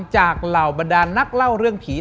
เหล่าบรรดานนักเล่าเรื่องผี